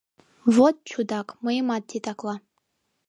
— Вот, чудак, мыйымак титакла.